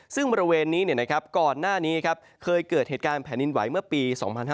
ซึ่งบริเวณนี้ก่อนหน้านี้เคยเกิดเหตุการณ์แผ่นดินไหวเมื่อปี๒๕๕๙